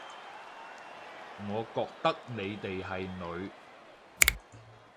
我覺得你哋係女